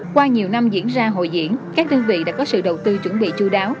qua nhiều năm diễn ra hội diễn các đơn vị đã có sự đầu tư chuẩn bị chú đáo